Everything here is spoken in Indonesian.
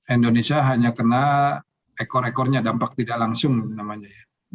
indonesia hanya kena ekor ekornya dampak tidak langsung namanya ya